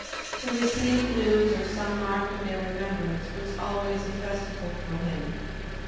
To receive news or some mark of their remembrance, was always a festival for him.